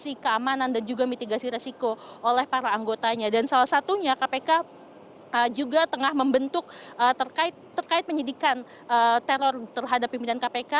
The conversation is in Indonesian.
misi keamanan dan juga mitigasi resiko oleh para anggotanya dan salah satunya kpk juga tengah membentuk terkait penyidikan teror terhadap pimpinan kpk